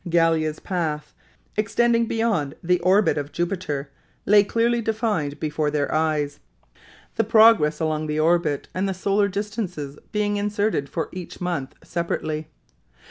Gallia's path, extending beyond the orbit of Jupiter, lay clearly defined before their eyes, the progress along the orbit and the solar distances being inserted for each month separately.